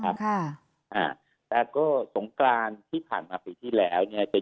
ตรงกลางที่ผ่านมาปีที่แล้วนะครับ